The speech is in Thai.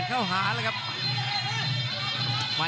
คมทุกลูกจริงครับโอ้โห